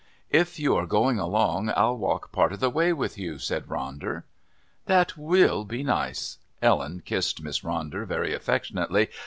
"If you are going along I'll walk part of the way with you," said Ronder. "That will be nice." Ellen kissed Miss Ronder very affectionately.